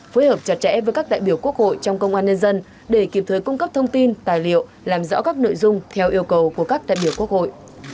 phối hợp chặt chẽ với các đại biểu quốc hội trong công an nhân dân để kịp thời cung cấp thông tin tài liệu làm rõ các nội dung theo yêu cầu của các đại biểu quốc hội